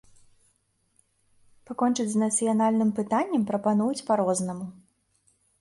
Пакончыць з нацыянальным пытаннем прапануюць па-рознаму.